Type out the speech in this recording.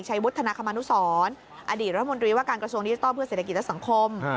วุฒนาคมนุสรอดีตรัฐมนตรีว่าการกระทรวงดิจิทัลเพื่อเศรษฐกิจและสังคม